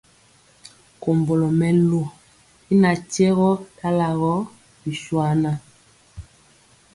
Kombolo mɛlu y ŋatyegɔ dalagɔ bishuaŋa.